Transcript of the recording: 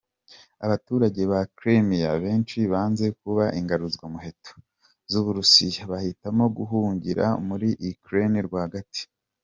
Abaturage ba Crimea benshi banze kuba ingaruzwamuheto z’Uburusiya, bahitamo guhungira muri Ukraine rwagati.